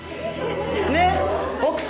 ねえ奥様。